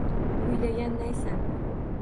Kuylagan naysan.